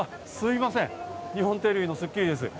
日本テレビの『スッキリ』です。